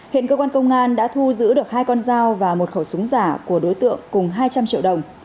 hiện cơ quan công an đã thu giữ được hai con dao và một khẩu súng giả của đối tượng cùng hai trăm linh triệu đồng